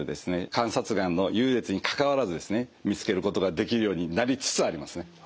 観察眼の優劣にかかわらずですね見つけることができるようになりつつありますね。